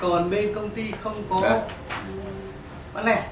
còn bên công ty không có vấn đề